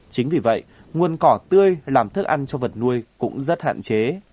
chính vì vậy nguồn cỏ tươi làm thức ăn cho vật nuôi cũng rất hạn chế